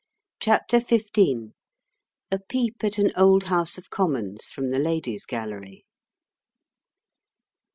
CHAPTER XV. A PEEP AT AN OLD HOUSE OF COMMONS FROM THE LADIES' GALLERY.